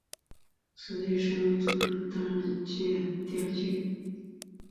此剧为深津绘里初次担任主演的电视剧。